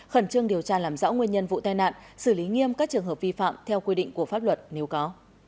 khẩn trương điều tra làm rõ nguyên nhân vụ tai nạn xử lý nghiêm các trường hợp vi phạm theo quy định của pháp luật nếu có